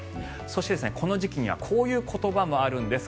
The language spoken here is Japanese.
そしてこの時期にはこういう言葉もあるんです。